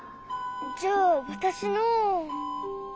じゃあわたしの。